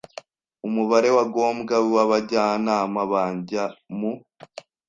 umubare wa ngombwa w abajyanama bajya mu